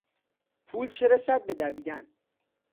پول چه رسد به دویدن.